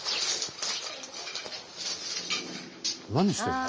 「何してるの？」